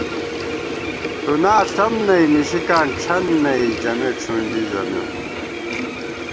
“ݭُنا ݪم نئ نِشِکاں ڄَھن نئ” ژمېت ݭُنڈی ژمېم